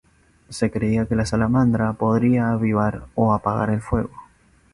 Se creía que la salamandra podía avivar o apagar el fuego.